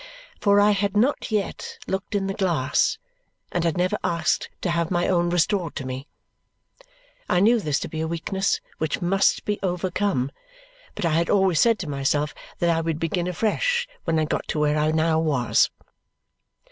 For I had not yet looked in the glass and had never asked to have my own restored to me. I knew this to be a weakness which must be overcome, but I had always said to myself that I would begin afresh when I got to where I now was.